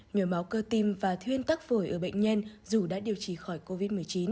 nhồi máu cơ tim và thuyên tắc phổi ở bệnh nhân dù đã điều trị khỏi covid một mươi chín